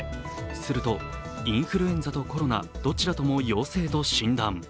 すると、インフルエンザとコロナどちらとも陽性と診断。